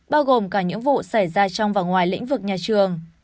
bao gồm cả những vụ xảy ra trong và ngoài lĩnh vực nhà trường